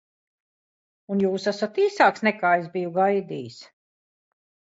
Un jūs esat īsāks, nekā es biju gaidījis.